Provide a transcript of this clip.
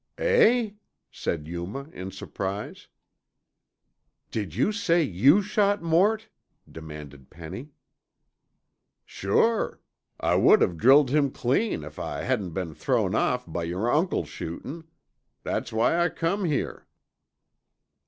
_" "Eh?" said Yuma in surprise. "Did you say you shot Mort?" demanded Penny. "Sure! I would have drilled him clean if I hadn't been thrown off by yer uncle's shootin'. That's why I come here."